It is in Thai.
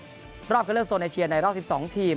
รอบเคลื่อนเลือดโซนไนเชียร์ในรอบ๑๒ทีม